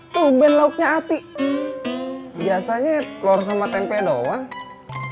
tuh ben lauknya ati biasanya telur sama tempe doang